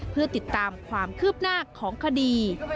เพื่อติดตามความคืบหน้าของคดี